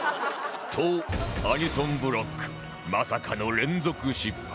とアニソンブロックまさかの連続失敗